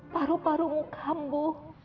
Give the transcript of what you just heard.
paru paru muka mbu